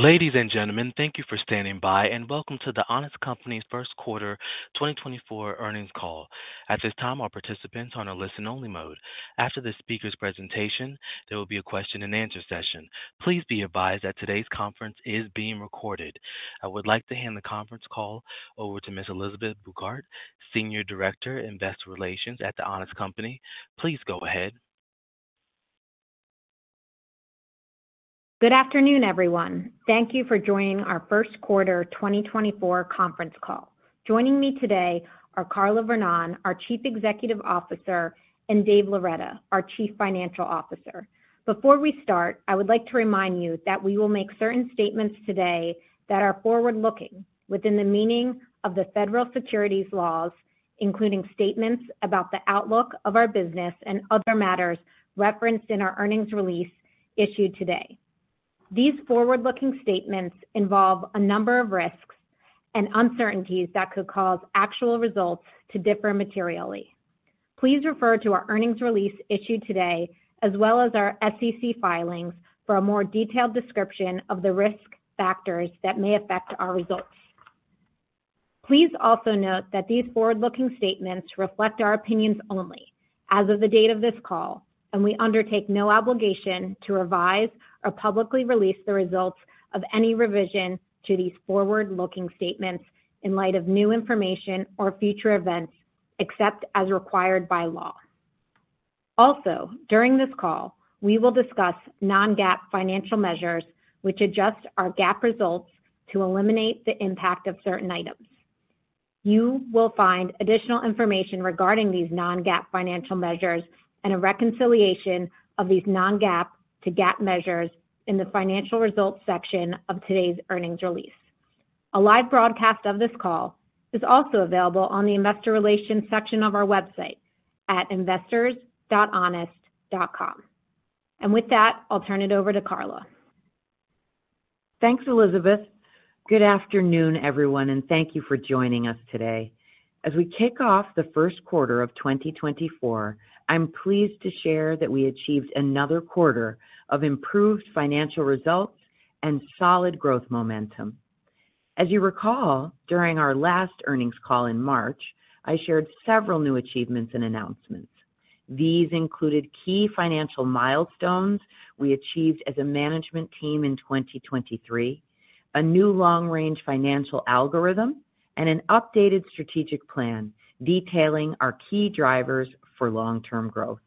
Ladies and gentlemen, thank you for standing by, and welcome to The Honest Company's first quarter 2024 earnings call. At this time, all participants are on a listen-only mode. After the speaker's presentation, there will be a question and answer session. Please be advised that today's conference is being recorded. I would like to hand the conference call over to Ms. Elizabeth Bouquard, Senior Director, Investor Relations at The Honest Company. Please go ahead. Good afternoon, everyone. Thank you for joining our first quarter 2024 conference call. Joining me today are Carla Vernón, our Chief Executive Officer, and Dave Loretta, our Chief Financial Officer. Before we start, I would like to remind you that we will make certain statements today that are forward-looking within the meaning of the federal securities laws, including statements about the outlook of our business and other matters referenced in our earnings release issued today. These forward-looking statements involve a number of risks and uncertainties that could cause actual results to differ materially. Please refer to our earnings release issued today, as well as our SEC filings for a more detailed description of the risk factors that may affect our results. Please also note that these forward-looking statements reflect our opinions only as of the date of this call, and we undertake no obligation to revise or publicly release the results of any revision to these forward-looking statements in light of new information or future events, except as required by law. Also, during this call, we will discuss non-GAAP financial measures, which adjust our GAAP results to eliminate the impact of certain items. You will find additional information regarding these non-GAAP financial measures and a reconciliation of these non-GAAP to GAAP measures in the financial results section of today's earnings release. A live broadcast of this call is also available on the Investor Relations section of our website at investors.honest.com. With that, I'll turn it over to Carla. Thanks, Elizabeth. Good afternoon, everyone, and thank you for joining us today. As we kick off the first quarter of 2024, I'm pleased to share that we achieved another quarter of improved financial results and solid growth momentum. As you recall, during our last earnings call in March, I shared several new achievements and announcements. These included key financial milestones we achieved as a management team in 2023, a new long-range financial algorithm, and an updated strategic plan detailing our key drivers for long-term growth.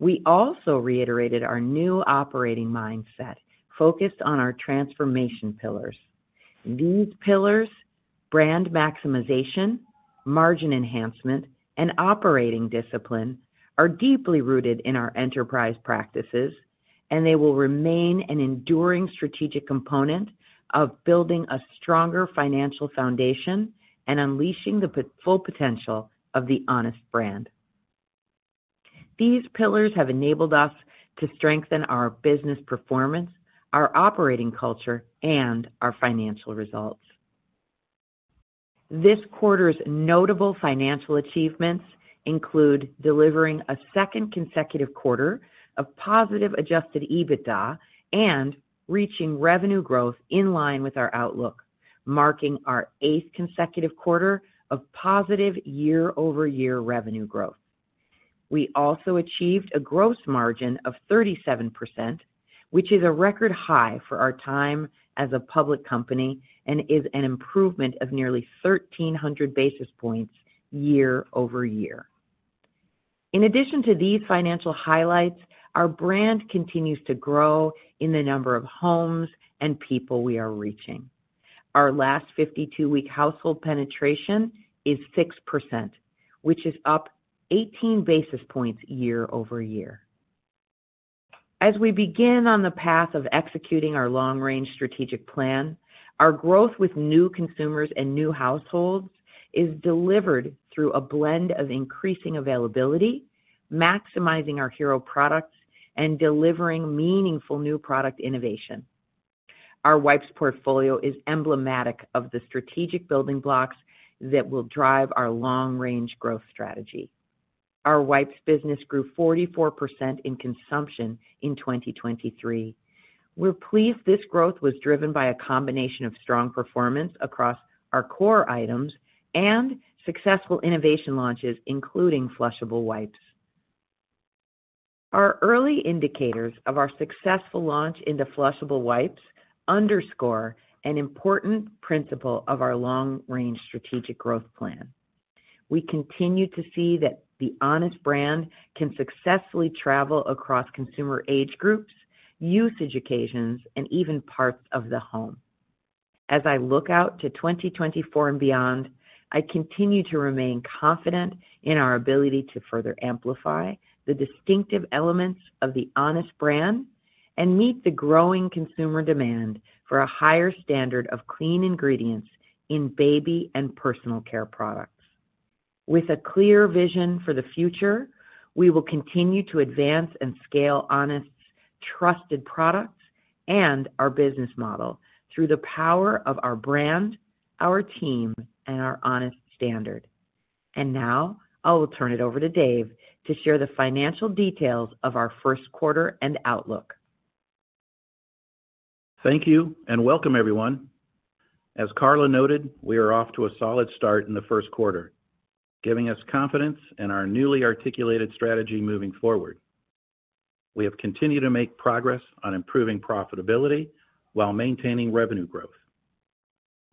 We also reiterated our new operating mindset focused on our transformation pillars. These pillars, brand maximization, margin enhancement, and operating discipline, are deeply rooted in our enterprise practices, and they will remain an enduring strategic component of building a stronger financial foundation and unleashing the full potential of the Honest brand. These pillars have enabled us to strengthen our business performance, our operating culture, and our financial results. This quarter's notable financial achievements include delivering a second consecutive quarter of positive Adjusted EBITDA and reaching revenue growth in line with our outlook, marking our eighth consecutive quarter of positive year-over-year revenue growth. We also achieved a gross margin of 37%, which is a record high for our time as a public company and is an improvement of nearly 1,300 basis points year-over-year. In addition to these financial highlights, our brand continues to grow in the number of homes and people we are reaching. Our last 52-week household penetration is 6%, which is up 18 basis points year-over-year. As we begin on the path of executing our long-range strategic plan, our growth with new consumers and new households is delivered through a blend of increasing availability, maximizing our hero products, and delivering meaningful new product innovation. Our wipes portfolio is emblematic of the strategic building blocks that will drive our long-range growth strategy. Our wipes business grew 44% in consumption in 2023. We're pleased this growth was driven by a combination of strong performance across our core items and successful innovation launches, including flushable wipes. Our early indicators of our successful launch into flushable wipes underscore an important principle of our long-range strategic growth plan. We continue to see that the Honest brand can successfully travel across consumer age groups, usage occasions, and even parts of the home. As I look out to 2024 and beyond, I continue to remain confident in our ability to further amplify the distinctive elements of the Honest brand and meet the growing consumer demand for a higher standard of clean ingredients in baby and personal care products. With a clear vision for the future, we will continue to advance and scale Honest's trusted products and our business model through the power of our brand, our team, and our Honest standard. Now, I will turn it over to Dave to share the financial details of our first quarter and outlook. Thank you, and welcome everyone. As Carla noted, we are off to a solid start in the first quarter, giving us confidence in our newly articulated strategy moving forward. We have continued to make progress on improving profitability while maintaining revenue growth.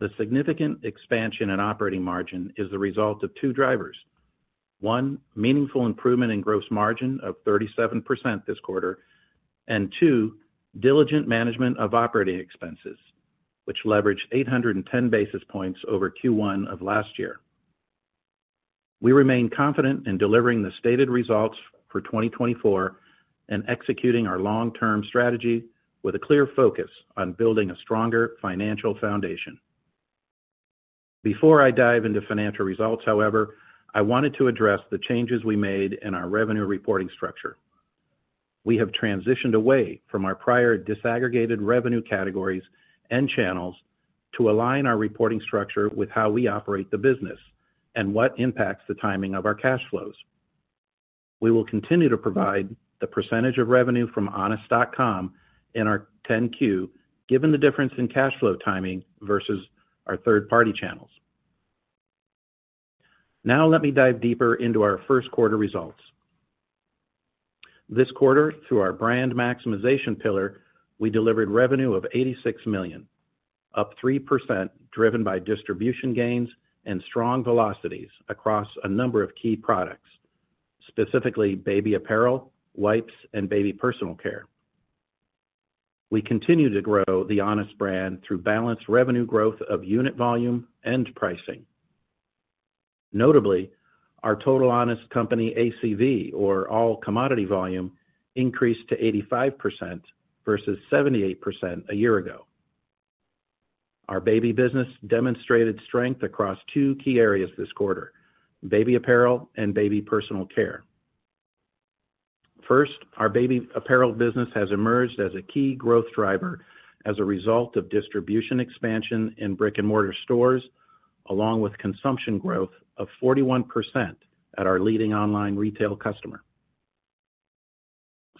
The significant expansion in operating margin is the result of two drivers: one, meaningful improvement in gross margin of 37% this quarter, and two, diligent management of operating expenses, which leveraged 810 basis points over Q1 of last year. We remain confident in delivering the stated results for 2024 and executing our long-term strategy with a clear focus on building a stronger financial foundation. Before I dive into financial results, however, I wanted to address the changes we made in our revenue reporting structure. We have transitioned away from our prior disaggregated revenue categories and channels to align our reporting structure with how we operate the business and what impacts the timing of our cash flows. We will continue to provide the percentage of revenue from honest.com in our 10-Q, given the difference in cash flow timing versus our third-party channels. Now let me dive deeper into our first quarter results. This quarter, through our brand maximization pillar, we delivered revenue of $86 million, up 3%, driven by distribution gains and strong velocities across a number of key products, specifically baby apparel, wipes, and baby personal care. We continue to grow the Honest brand through balanced revenue growth of unit volume and pricing. Notably, our total Honest Company ACV, or all commodity volume, increased to 85% versus 78% a year ago. Our baby business demonstrated strength across two key areas this quarter: baby apparel and baby personal care. First, our baby apparel business has emerged as a key growth driver as a result of distribution expansion in brick-and-mortar stores, along with consumption growth of 41% at our leading online retail customer.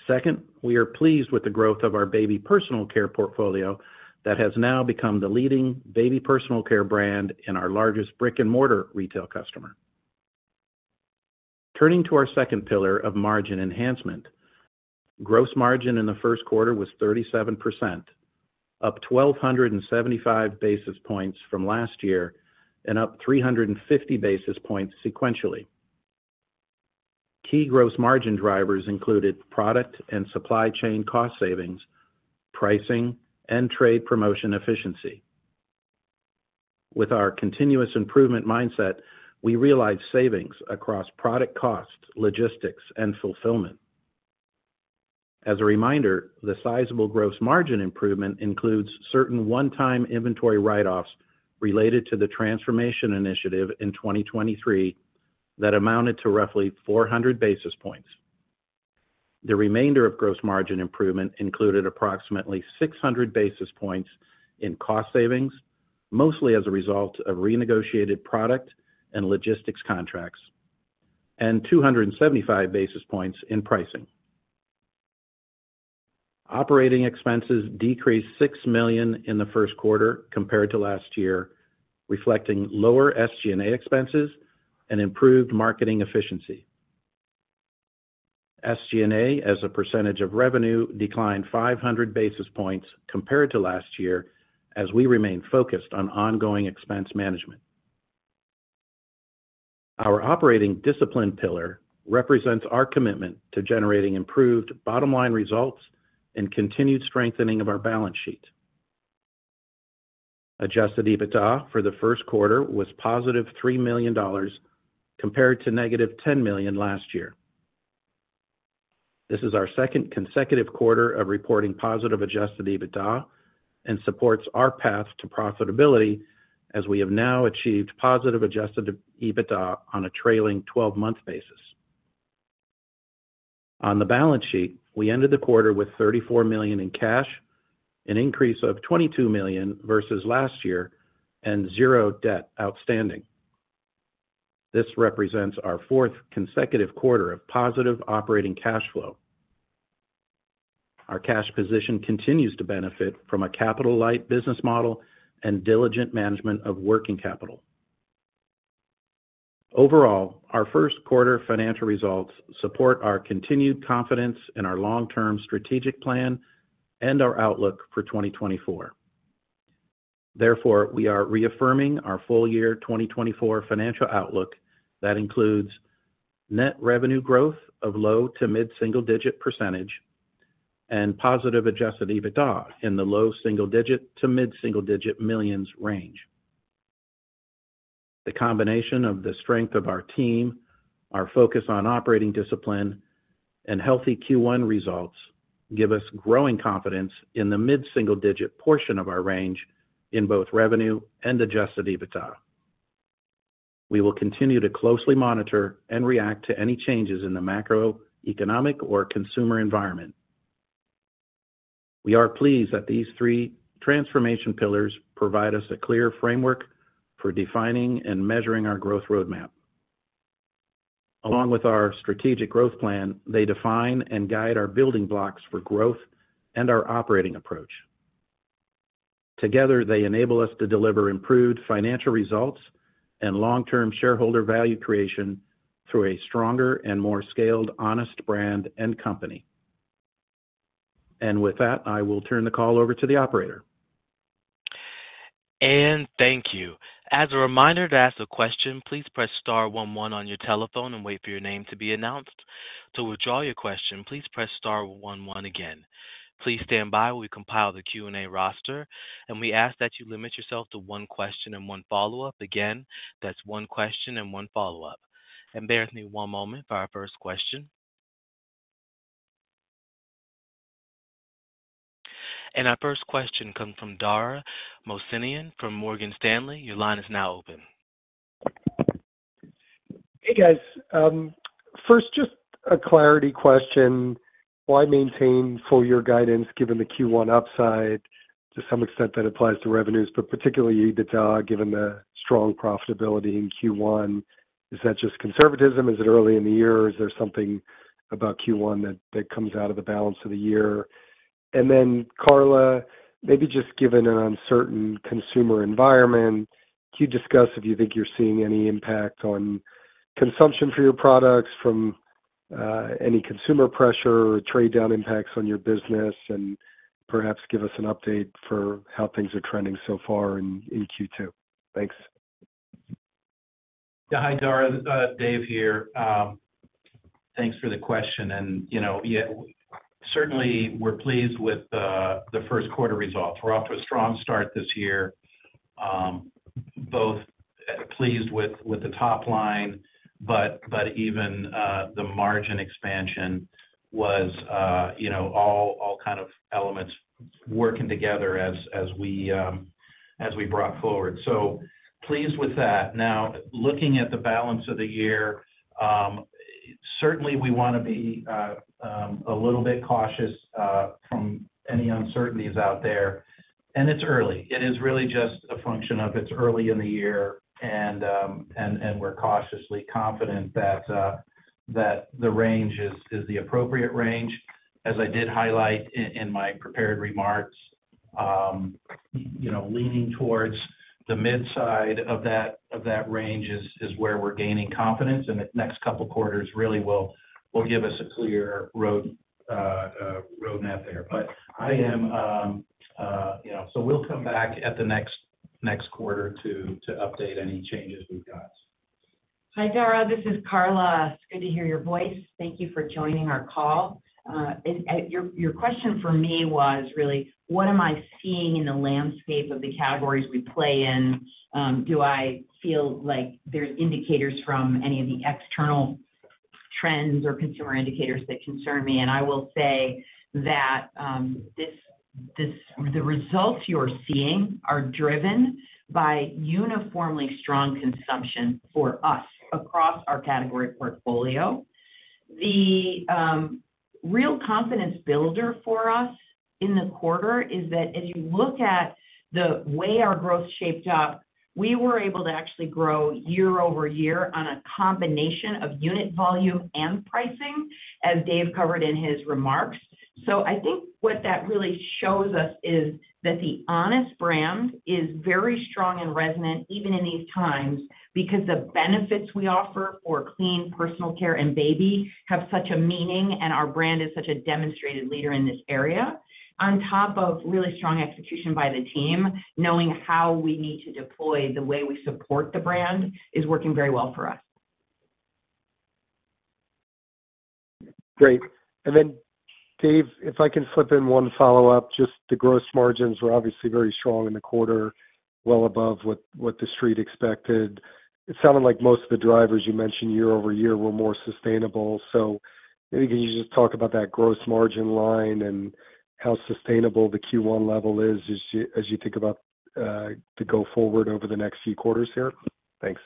Second, we are pleased with the growth of our baby personal care portfolio that has now become the leading baby personal care brand in our largest brick-and-mortar retail customer. Turning to our second pillar of margin enhancement. Gross margin in the first quarter was 37%, up 1,275 basis points from last year and up 350 basis points sequentially. Key gross margin drivers included product and supply chain cost savings, pricing, and trade promotion efficiency. With our continuous improvement mindset, we realized savings across product cost, logistics, and fulfillment. As a reminder, the sizable gross margin improvement includes certain one-time inventory write-offs related to the transformation initiative in 2023 that amounted to roughly 400 basis points. The remainder of gross margin improvement included approximately 600 basis points in cost savings, mostly as a result of renegotiated product and logistics contracts, and 275 basis points in pricing. Operating expenses decreased $6 million in the first quarter compared to last year, reflecting lower SG&A expenses and improved marketing efficiency. SG&A, as a percentage of revenue, declined 500 basis points compared to last year, as we remain focused on ongoing expense management. Our operating discipline pillar represents our commitment to generating improved bottom-line results and continued strengthening of our balance sheet. Adjusted EBITDA for the first quarter was positive $3 million, compared to negative $10 million last year. This is our second consecutive quarter of reporting positive Adjusted EBITDA and supports our path to profitability, as we have now achieved positive Adjusted EBITDA on a trailing 12 month basis. On the balance sheet, we ended the quarter with $34 million in cash, an increase of $22 million versus last year, and $0 debt outstanding. This represents our fourth consecutive quarter of positive operating cash flow. Our cash position continues to benefit from a capital-light business model and diligent management of working capital. Overall, our first quarter financial results support our continued confidence in our long-term strategic plan and our outlook for 2024. Therefore, we are reaffirming our full year 2024 financial outlook that includes net revenue growth of low to mid-single digit percentage and positive Adjusted EBITDA in the low single digit to mid-single digit millions range. The combination of the strength of our team, our focus on operating discipline, and healthy Q1 results give us growing confidence in the mid-single digit portion of our range in both revenue and Adjusted EBITDA. We will continue to closely monitor and react to any changes in the macroeconomic or consumer environment. We are pleased that these three transformation pillars provide us a clear framework for defining and measuring our growth roadmap. Along with our strategic growth plan, they define and guide our building blocks for growth and our operating approach. Together, they enable us to deliver improved financial results and long-term shareholder value creation through a stronger and more scaled Honest brand and company. And with that, I will turn the call over to the operator. Thank you. As a reminder, to ask a question, please press star one one on your telephone and wait for your name to be announced. To withdraw your question, please press star one one again. Please stand by while we compile the Q&A roster, and we ask that you limit yourself to one question and one follow-up. Again, that's one question and one follow-up. Bear with me one moment for our first question. Our first question comes from Dara Mohsenian from Morgan Stanley. Your line is now open. Hey, guys. First, just a clarity question. Why maintain full year guidance given the Q1 upside? To some extent, that applies to revenues, but particularly EBITDA, given the strong profitability in Q1. Is that just conservatism? Is it early in the year, or is there something about Q1 that comes out of the balance of the year? And then, Carla, maybe just given an uncertain consumer environment, can you discuss if you think you're seeing any impact on consumption for your products from any consumer pressure or trade-down impacts on your business, and perhaps give us an update for how things are trending so far in Q2? Thanks. Hi, Dara, Dave here. Thanks for the question, and, you know, yeah, certainly, we're pleased with the, the first quarter results. We're off to a strong start this year, both pleased with, with the top line, but, but even, the margin expansion was, you know, all, all kind of elements working together as, as we, as we brought forward. So pleased with that. Now, looking at the balance of the year, certainly we wanna be, a little bit cautious, from any uncertainties out there. And it's early. It is really just a function of it's early in the year, and, and, and we're cautiously confident that, that the range is, is the appropriate range. As I did highlight in, in my prepared remarks, you know, leaning towards the midside of that, of that range is, is where we're gaining confidence, and the next couple quarters really will, will give us a clear roadmap there. You know, so we'll come back at the next, next quarter to, to update any changes we've got. Hi, Dara, this is Carla. It's good to hear your voice. Thank you for joining our call. Your question for me was really, what am I seeing in the landscape of the categories we play in? Do I feel like there's indicators from any of the external trends or consumer indicators that concern me? And I will say that the results you're seeing are driven by uniformly strong consumption for us across our category portfolio. The real confidence builder for us in the quarter is that if you look at the way our growth shaped up, we were able to actually grow year-over-year on a combination of unit volume and pricing, as Dave covered in his remarks. I think what that really shows us is that the Honest brand is very strong and resonant, even in these times, because the benefits we offer for clean, personal care, and baby have such a meaning, and our brand is such a demonstrated leader in this area. On top of really strong execution by the team, knowing how we need to deploy the way we support the brand is working very well for us. Great. Then, Dave, if I can slip in one follow-up, just the gross margins were obviously very strong in the quarter, well above what the street expected. It sounded like most of the drivers you mentioned year-over-year were more sustainable. So maybe can you just talk about that gross margin line and how sustainable the Q1 level is as you think about the go forward over the next few quarters here? Thanks.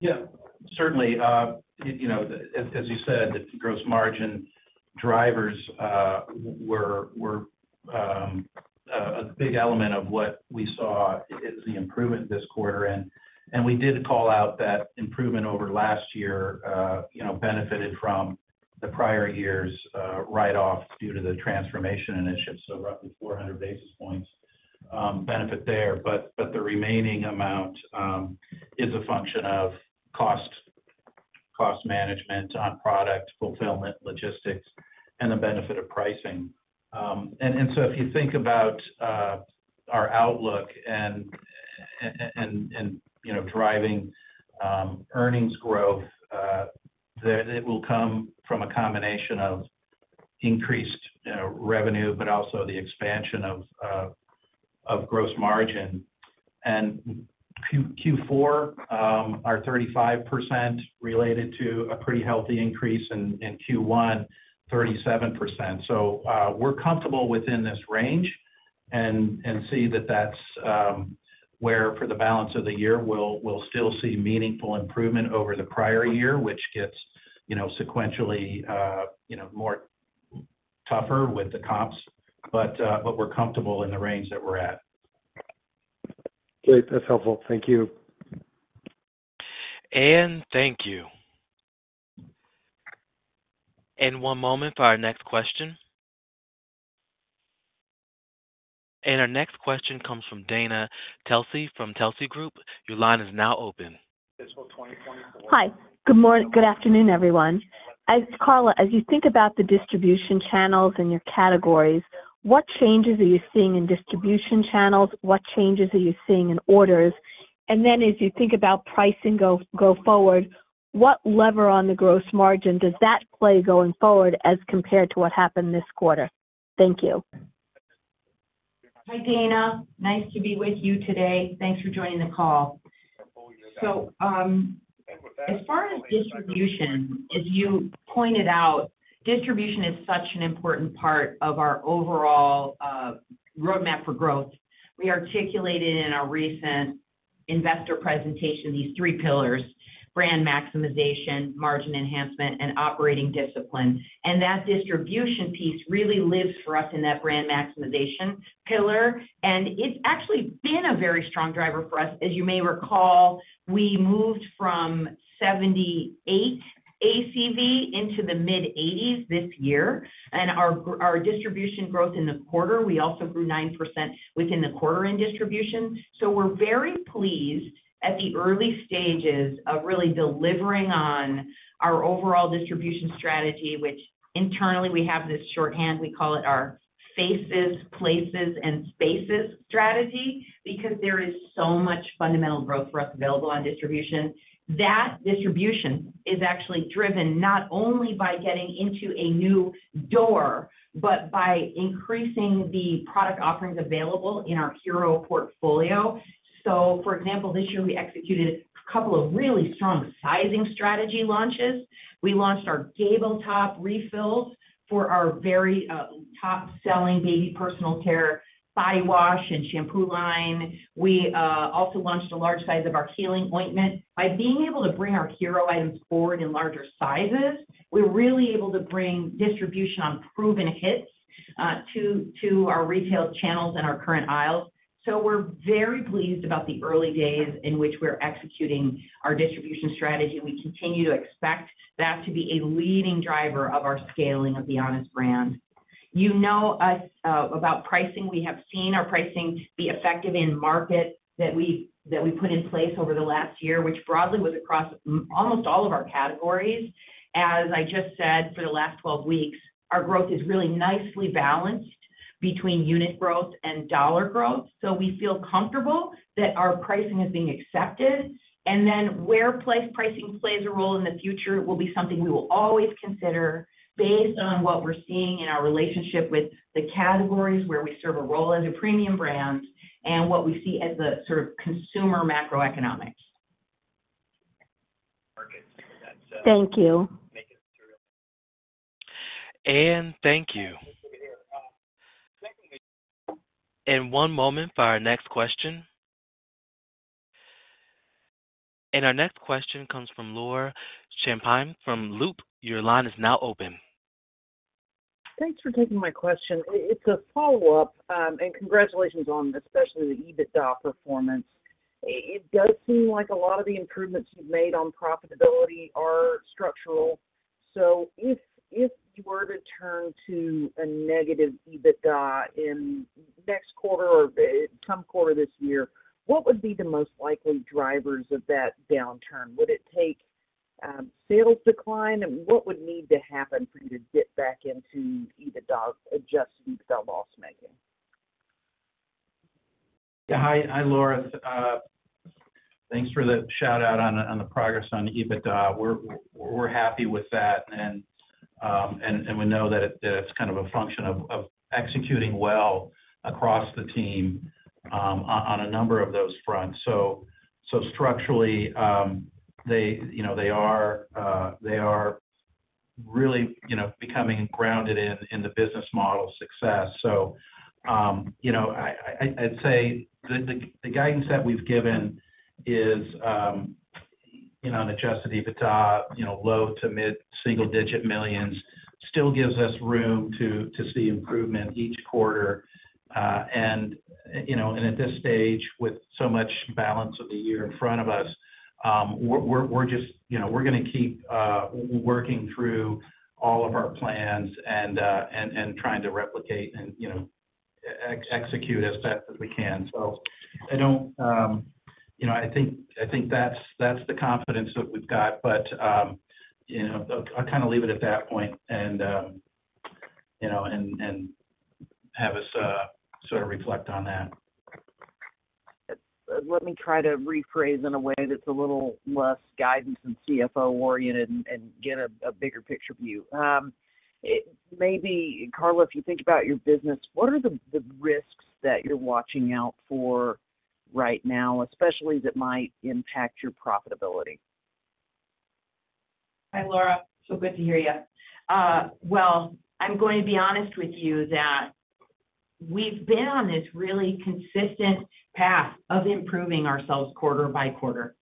Yeah, certainly. You know, as you said, gross margin drivers were a big element of what we saw as the improvement this quarter, and we did call out that improvement over last year, you know, benefited from the prior year's write-off due to the transformation initiative, so roughly 400 basis points benefit there. But the remaining amount is a function of cost management on product fulfillment, logistics, and the benefit of pricing. And so if you think about our outlook and you know, driving earnings growth, that it will come from a combination of increased you know, revenue, but also the expansion of gross margin. And Q4, our 35% related to a pretty healthy increase in Q1, 37%. So, we're comfortable within this range and see that that's where for the balance of the year, we'll still see meaningful improvement over the prior year, which gets, you know, sequentially, you know, more tougher with the comps. But, we're comfortable in the range that we're at. Great! That's helpful. Thank you. Anne, thank you. One moment for our next question. Our next question comes from Dana Telsey from Telsey Group. Your line is now open. Hi, good morning. Good afternoon, everyone. As, Carla, as you think about the distribution channels and your categories, what changes are you seeing in distribution channels? What changes are you seeing in orders? And then as you think about pricing go, go forward, what lever on the gross margin does that play going forward as compared to what happened this quarter? Thank you. Hi, Dana. Nice to be with you today. Thanks for joining the call. So, as far as distribution, as you pointed out, distribution is such an important part of our overall roadmap for growth. We articulated in our recent investor presentation, these three pillars, brand maximization, margin enhancement, and operating discipline. And that distribution piece really lives for us in that brand maximization pillar, and it's actually been a very strong driver for us. As you may recall, we moved from 78 ACV into the mid-80s this year. And our distribution growth in the quarter, we also grew 9% within the quarter in distribution. So we're very pleased at the early stages of really delivering on our overall distribution strategy, which internally, we have this shorthand, we call it our faces, places, and spaces strategy, because there is so much fundamental growth for us available on distribution. That distribution is actually driven not only by getting into a new door, but by increasing the product offerings available in our hero portfolio. So for example, this year, we executed a couple of really strong sizing strategy launches. We launched our gable top refills for our very top-selling baby personal care, body wash and shampoo line. We also launched a large size of our healing ointment. By being able to bring our hero items forward in larger sizes, we're really able to bring distribution on proven hits, to our retail channels and our current aisles. So we're very pleased about the early days in which we're executing our distribution strategy, and we continue to expect that to be a leading driver of our scaling of The Honest Brand. You know us about pricing, we have seen our pricing be effective in market that we, that we put in place over the last year, which broadly was across almost all of our categories. As I just said, for the last 12 weeks, our growth is really nicely balanced between unit growth and dollar growth, so we feel comfortable that our pricing is being accepted. And then where pricing plays a role in the future will be something we will always consider based on what we're seeing in our relationship with the categories where we serve a role as a premium brand and what we see as the sort of consumer macroeconomics. Thank you. Anne, thank you. One moment for our next question. Our next question comes from Laura Champine from Loop. Your line is now open. Thanks for taking my question. It's a follow-up, and congratulations on especially the EBITDA performance. It does seem like a lot of the improvements you've made on profitability are structural. So if you were to turn to a negative EBITDA in next quarter or some quarter this year, what would be the most likely drivers of that downturn? Would it take sales decline? What would need to happen for you to dip back into EBITDA, adjusted EBITDA loss making? Yeah. Hi, hi, Laura. Thanks for the shout-out on the progress on EBITDA. We're happy with that, and we know that it's kind of a function of executing well across the team on a number of those fronts. So structurally, they, you know, they are, they are really, you know, becoming grounded in the business model success. So you know, I, I, I'd say the guidance that we've given is an Adjusted EBITDA, you know, low- to mid-single-digit millions, still gives us room to see improvement each quarter. You know, at this stage, with so much balance of the year in front of us, we're just, you know, we're gonna keep working through all of our plans and trying to replicate and, you know, execute as best as we can. So I don't, you know, I think that's the confidence that we've got. But, you know, I'll kind of leave it at that point and have us sort of reflect on that. Let me try to rephrase in a way that's a little less guidance and CFO oriented and get a bigger picture view. It maybe, Carla, if you think about your business, what are the risks that you're watching out for right now, especially that might impact your profitability? Hi, Laura. So good to hear you. Well, I'm going to be honest with you, that we've been on this really consistent path of improving ourselves quarter-by-quarter,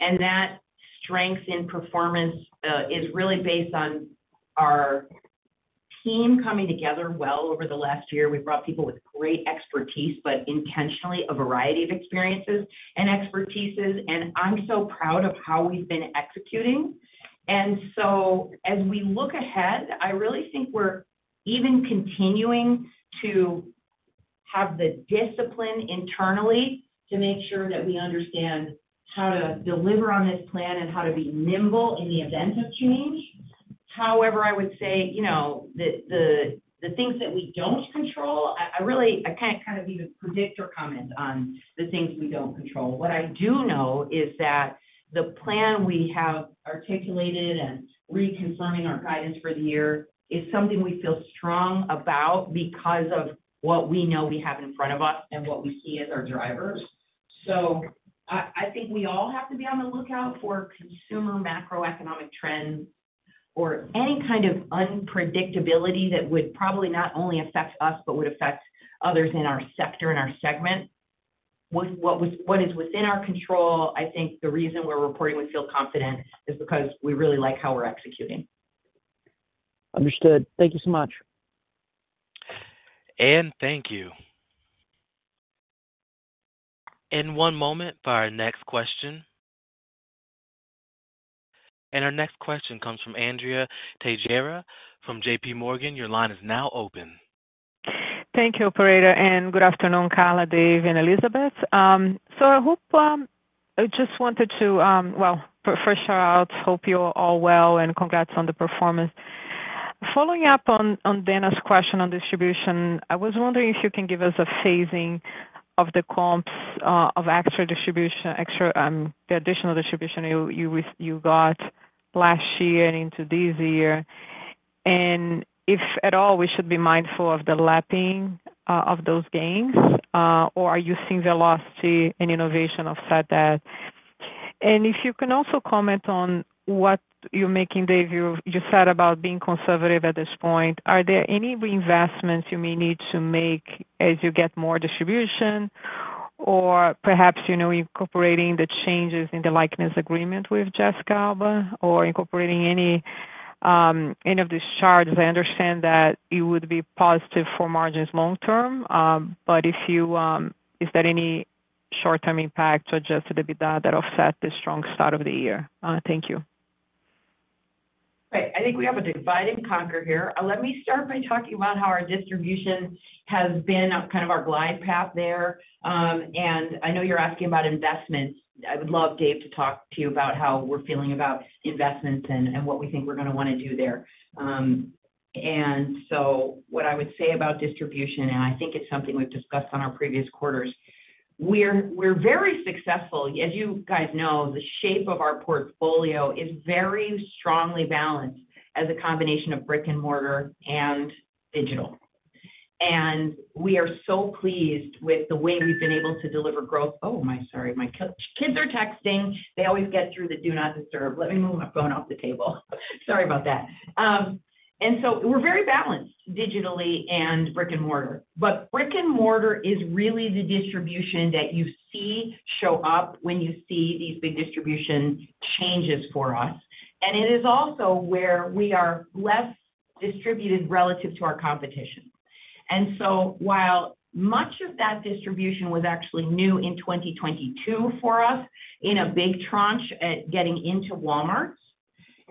and that strength in performance is really based on our team coming together well over the last year. We've brought people with great expertise, but intentionally, a variety of experiences and expertise, and I'm so proud of how we've been executing. And so as we look ahead, I really think we're even continuing to have the discipline internally to make sure that we understand how to deliver on this plan and how to be nimble in the event of change. However, I would say, you know, the things that we don't control, I really can't kind of even predict or comment on the things we don't control. What I do know is that the plan we have articulated and reconfirming our guidance for the year is something we feel strong about because of what we know we have in front of us and what we see as our drivers. So I think we all have to be on the lookout for consumer macroeconomic trends or any kind of unpredictability that would probably not only affect us, but would affect others in our sector and our segment. What is within our control, I think the reason we're reporting we feel confident, is because we really like how we're executing. Understood. Thank you so much. Thank you. One moment for our next question. Our next question comes from Andrea Teixeira from JP Morgan. Your line is now open. Thank you, operator, and good afternoon, Carla, Dave, and Elizabeth. I just wanted to, well, first shout out, hope you're all well, and congrats on the performance. Following up on Dana's question on distribution, I was wondering if you can give us a phasing of the comps of extra distribution, extra, the additional distribution you got last year and into this year? And if at all, we should be mindful of the lapping of those gains, or are you seeing velocity and innovation offset that. And if you can also comment on what you're making, Dave, you said about being conservative at this point. Are there any reinvestments you may need to make as you get more distribution, or perhaps, you know, incorporating the changes in the likeness agreement with Jessica Alba, or incorporating any, any of these charges? I understand that it would be positive for margins long term, but if you, is there any short-term impact to Adjusted EBITDA that offset the strong start of the year? Thank you. Right. I think we have to divide and conquer here. Let me start by talking about how our distribution has been on kind of our glide path there. I know you're asking about investments. I would love Dave to talk to you about how we're feeling about investments and what we think we're gonna wanna do there. So what I would say about distribution, and I think it's something we've discussed on our previous quarters, we're very successful. As you guys know, the shape of our portfolio is very strongly balanced as a combination of brick and mortar and digital. We are so pleased with the way we've been able to deliver growth. Oh, my, sorry. My kids are texting. They always get through the do not disturb. Let me move my phone off the table. Sorry about that. And so we're very balanced digitally and brick-and-mortar. But brick-and-mortar is really the distribution that you see show up when you see these big distribution changes for us, and it is also where we are less distributed relative to our competition. And so while much of that distribution was actually new in 2022 for us, in a big tranche at getting into Walmart,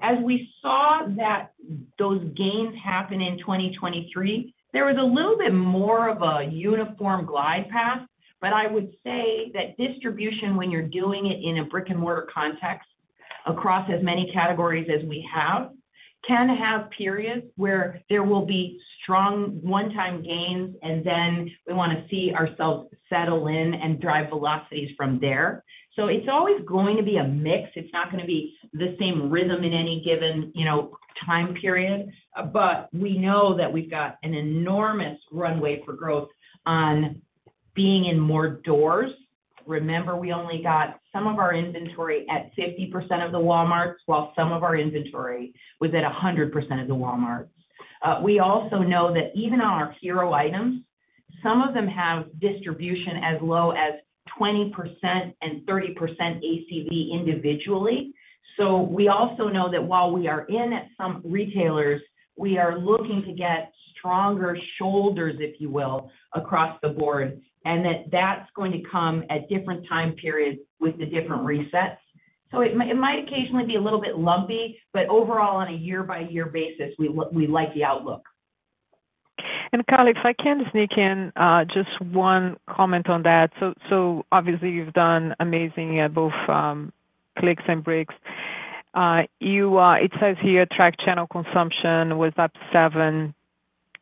as we saw that those gains happen in 2023, there was a little bit more of a uniform glide path. But I would say that distribution, when you're doing it in a brick-and-mortar context across as many categories as we have, can have periods where there will be strong one-time gains, and then we wanna see ourselves settle in and drive velocities from there. So it's always going to be a mix. It's not gonna be the same rhythm in any given, you know, time period, but we know that we've got an enormous runway for growth on being in more doors. Remember, we only got some of our inventory at 50% of the Walmart, while some of our inventory was at 100% of the Walmart. We also know that even on our hero items, some of them have distribution as low as 20% and 30% ACV individually. So we also know that while we are in at some retailers, we are looking to get stronger shoulders, if you will, across the board, and that that's going to come at different time periods with the different resets. So it might occasionally be a little bit lumpy, but overall, on a year-by-year basis, we like the outlook. And Carla, if I can sneak in, just one comment on that. So, so obviously, you've done amazing at both, clicks and bricks. You, it says here, tracked channel consumption was up 7%.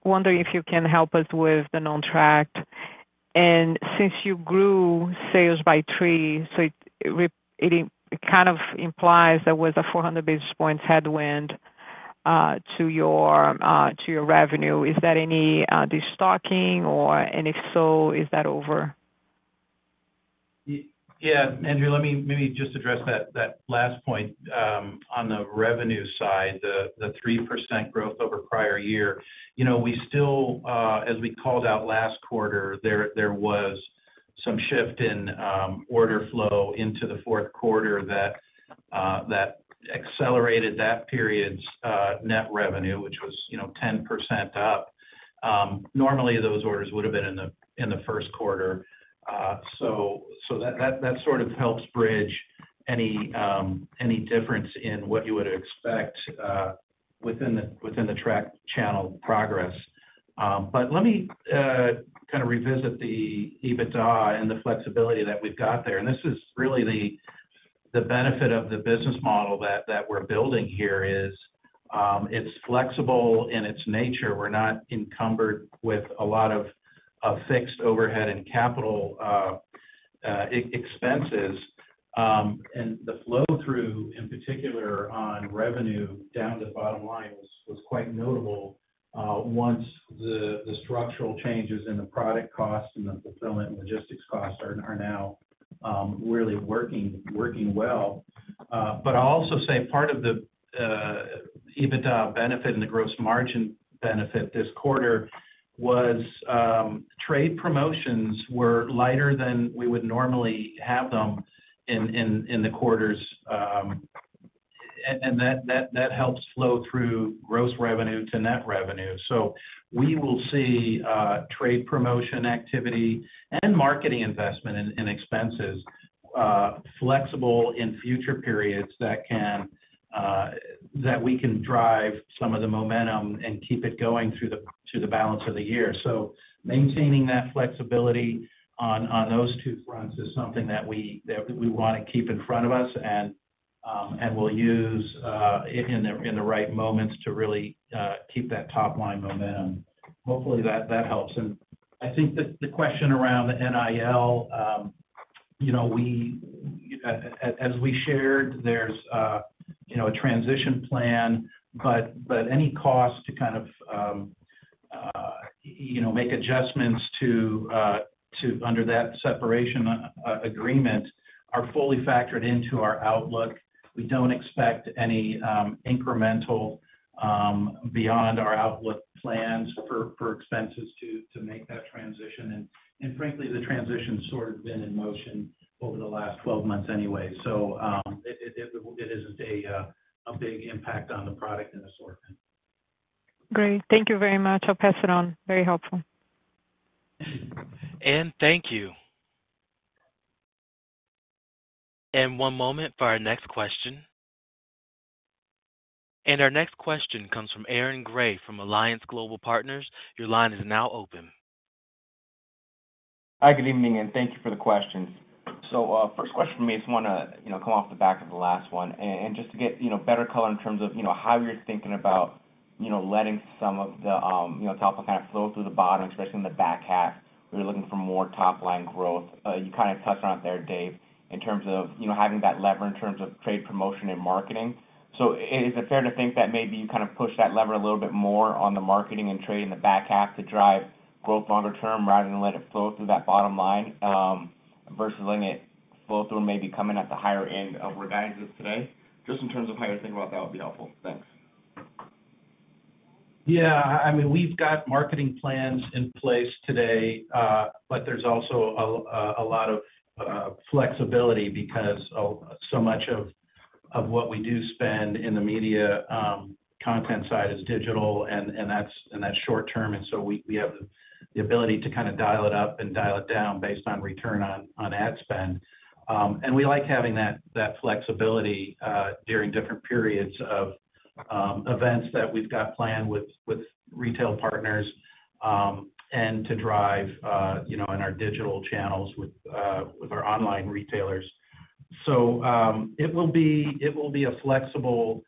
Wondering if you can help us with the non-tracked. And since you grew sales by 3%, so it, it, it kind of implies there was a 400 basis points headwind, to your, to your revenue. Is there any, destocking, or, and if so, is that over? Yeah, Andrea, let me maybe just address that, that last point, on the revenue side, the 3% growth over prior year. You know, we still, as we called out last quarter, there was some shift in order flow into the fourth quarter that accelerated that period's net revenue, which was, you know, 10% up. Normally, those orders would have been in the first quarter. So, that sort of helps bridge any difference in what you would expect within the retail channel progress. But let me kind of revisit the EBITDA and the flexibility that we've got there. And this is really the benefit of the business model that we're building here is, it's flexible in its nature. We're not encumbered with a lot of fixed overhead and capital expenses. And the flow-through, in particular on revenue down to the bottom line, was quite notable once the structural changes in the product costs and the fulfillment and logistics costs are now really working well. But I'll also say part of the EBITDA benefit and the gross margin benefit this quarter was trade promotions were lighter than we would normally have them in the quarters, and that helps flow through gross revenue to net revenue. So we will see trade promotion activity and marketing investment in expenses flexible in future periods that we can drive some of the momentum and keep it going through the balance of the year. So maintaining that flexibility on those two fronts is something that we want to keep in front of us, and we'll use in the right moments to really keep that top line momentum. Hopefully, that helps. And I think the question around the NIL, you know, as we shared, there's you know a transition plan, but any cost to kind of you know make adjustments under that separation agreement are fully factored into our outlook. We don't expect any incremental beyond our outlook plans for expenses to make that transition. And frankly, the transition's sort of been in motion over the last 12 months anyway. So it isn't a big impact on the product and assortment. Great. Thank you very much. I'll pass it on. Very helpful. And thank you. One moment for our next question. Our next question comes from Aaron Grey from Alliance Global Partners. Your line is now open. Hi, good evening, and thank you for the questions. So, first question for me, I just wanna, you know, come off the back of the last one, and, and just to get, you know, better color in terms of, you know, how you're thinking about, you know, letting some of the, you know, top line kind of flow through the bottom, especially in the back half, we're looking for more top-line growth. You kind of touched on it there, Dave, in terms of, you know, having that lever in terms of trade, promotion, and marketing. So is it fair to think that maybe you kind of push that lever a little bit more on the marketing and trade in the back half to drive growth longer term, rather than let it flow through that bottom line, versus letting it flow through, maybe coming at the higher end of where guidance is today? Just in terms of how you're thinking about that would be helpful. Thanks. Yeah, I mean, we've got marketing plans in place today, but there's also a lot of flexibility because of so much of what we do spend in the media content side is digital, and that's short term. And so we have the ability to kind of dial it up and dial it down based on return on ad spend. And we like having that flexibility during different periods of events that we've got planned with retail partners, and to drive you know in our digital channels with our online retailers. So it will be a flexible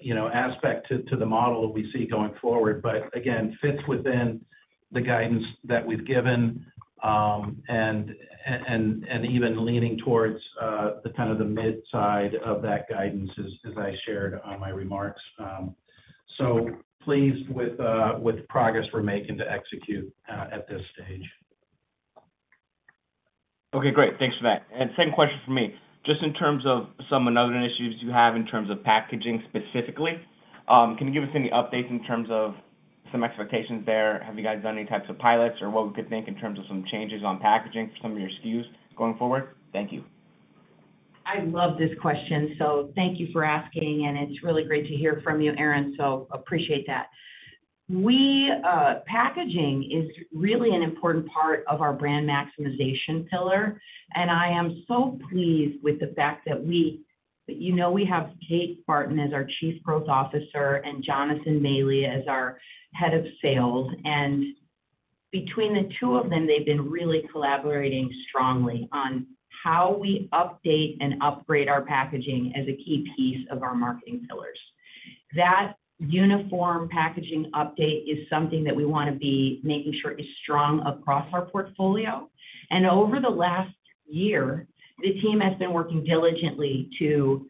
you know aspect to the model that we see going forward. But again, it fits within the guidance that we've given, and even leaning towards the kind of the mid-side of that guidance as I shared on my remarks. So pleased with the progress we're making to execute at this stage. Okay, great. Thanks for that. And second question from me, just in terms of some ongoing issues you have in terms of packaging specifically, can you give us any updates in terms of some expectations there? Have you guys done any types of pilots or what we could think in terms of some changes on packaging for some of your SKUs going forward? Thank you. I love this question, so thank you for asking, and it's really great to hear from you, Aaron, so appreciate that. We, packaging is really an important part of our brand maximization pillar, and I am so pleased with the fact that, you know, we have Kate Barton as our Chief Growth Officer and Jonathan Mayle as our Head of Sales. Between the two of them, they've been really collaborating strongly on how we update and upgrade our packaging as a key piece of our marketing pillars. That uniform packaging update is something that we want to be making sure is strong across our portfolio. Over the last year, the team has been working diligently to.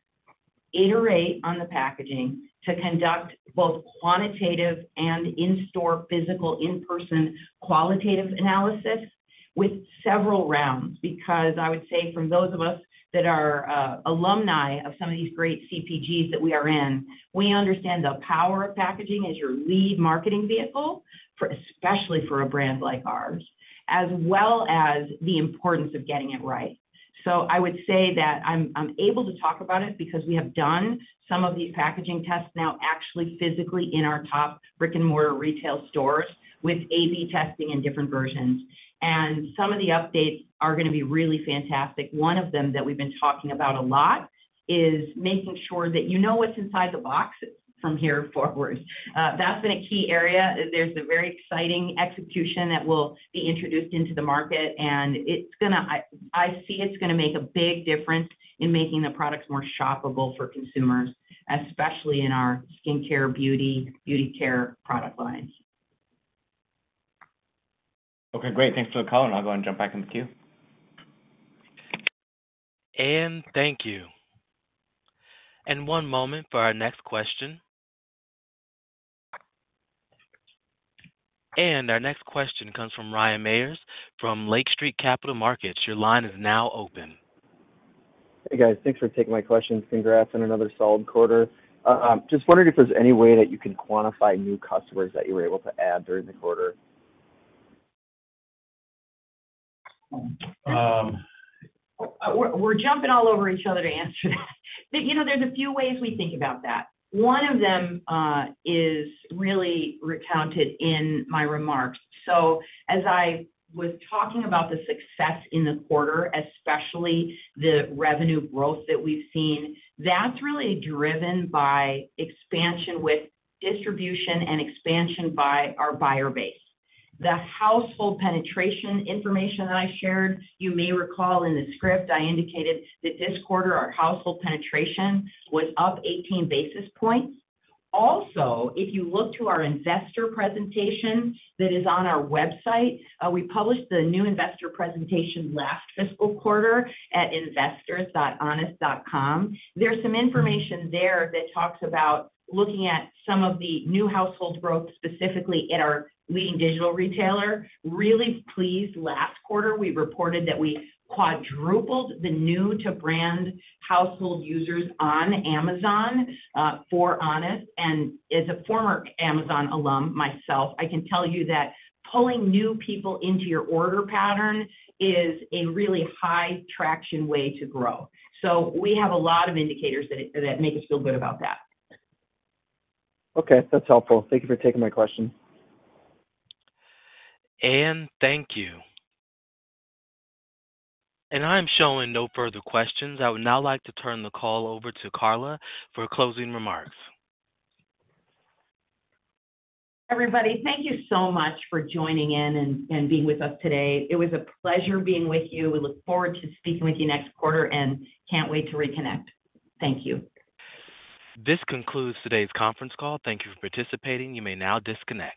Iterate on the packaging to conduct both quantitative and in-store, physical, in-person qualitative analysis with several rounds, because I would say from those of us that are alumni of some of these great CPGs that we are in. We understand the power of packaging as your lead marketing vehicle for, especially for a brand like ours, as well as the importance of getting it right. So I would say that I'm able to talk about it because we have done some of these packaging tests now actually physically in our top brick-and-mortar retail stores with AB testing in different versions. And some of the updates are gonna be really fantastic. One of them that we've been talking about a lot is making sure that you know what's inside the box from here forward. That's been a key area. There's a very exciting execution that will be introduced into the market, and I see it's gonna make a big difference in making the products more shoppable for consumers, especially in our skincare, beauty, beauty care product lines. Okay, great. Thanks for the call, and I'll go and jump back in the queue. Thank you. One moment for our next question. Our next question comes from Ryan Meyers from Lake Street Capital Markets. Your line is now open. Hey, guys. Thanks for taking my question. Congrats on another solid quarter. Just wondering if there's any way that you can quantify new customers that you were able to add during the quarter? We're jumping all over each other to answer that. But, you know, there's a few ways we think about that. One of them is really recounted in my remarks. So as I was talking about the success in the quarter, especially the revenue growth that we've seen, that's really driven by expansion with distribution and expansion by our buyer base. The household penetration information that I shared, you may recall in the script, I indicated that this quarter, our household penetration was up 18 basis points. Also, if you look to our investor presentation that is on our website, we published the new investor presentation last fiscal quarter at investors.honest.com. There's some information there that talks about looking at some of the new household growth, specifically in our leading digital retailer. Really pleased, last quarter, we reported that we quadrupled the new-to-brand household users on Amazon for Honest. And as a former Amazon alum myself, I can tell you that pulling new people into your order pattern is a really high traction way to grow. So we have a lot of indicators that, that make us feel good about that. Okay, that's helpful. Thank you for taking my question. Thank you. I'm showing no further questions. I would now like to turn the call over to Carla for closing remarks. Everybody, thank you so much for joining in and being with us today. It was a pleasure being with you. We look forward to speaking with you next quarter, and can't wait to reconnect. Thank you. This concludes today's conference call. Thank you for participating. You may now disconnect.